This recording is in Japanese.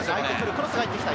クロスが入ってきた。